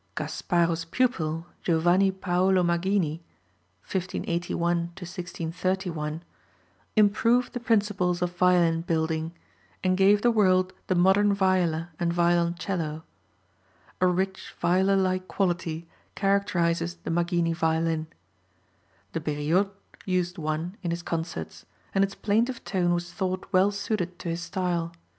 Gasparo's pupil, Giovanni Paolo Maggini (1581 1631), improved the principles of violin building, and gave the world the modern viola and violoncello. A rich viola like quality characterizes the Maggini violin. De Beriot used one in his concerts, and its plaintive tone was thought well suited to his style.